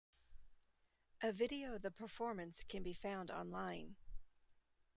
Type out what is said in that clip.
A video of the performance can be found online.